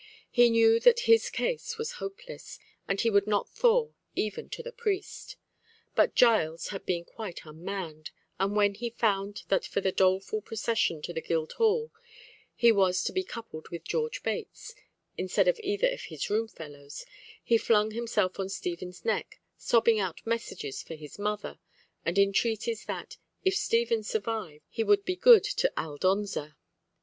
He knew that his case was hopeless, and he would not thaw even to the priest. But Giles had been quite unmanned, and when he found that for the doleful procession to the Guildhall he was to be coupled with George Bates, instead of either of his room fellows, he flung himself on Stephen's neck, sobbing out messages for his mother, and entreaties that, if Stephen survived, he would be good to Aldonza.